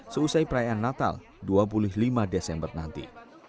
seusai perayaan natal dua puluh lima desember nanti